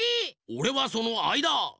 おれはそのあいだ！